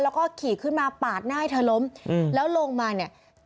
แล้วก็ขี่ขึ้นมาปาดหน้าให้เธอล้มแล้วลงมาเนี่ย